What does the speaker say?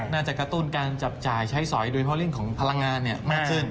น่าจะกระตุ้งการจับจ่ายใช้สอย๒๐๑๖โดยภารกิจของพลังงานเนี่ยมากขึ้น